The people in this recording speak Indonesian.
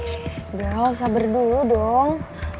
sudah sabar dulu dong